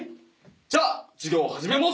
じゃあ授業を始めます！」